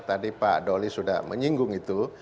tadi pak doli sudah menyinggung itu